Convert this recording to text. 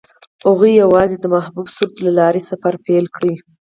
هغوی یوځای د محبوب سرود له لارې سفر پیل کړ.